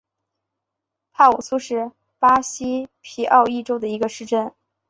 帕武苏是巴西皮奥伊州的一个市镇。